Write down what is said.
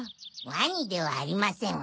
ワニではありません。